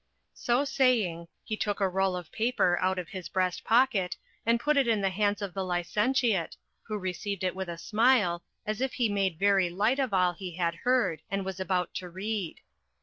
So saying, he took a roll of paper out of his breast pocket, and put it in the hands of the licentiate, who received it with a smile, as if he made very light of all he had heard, and was about to read.